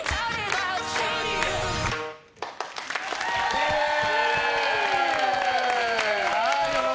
イエーイ！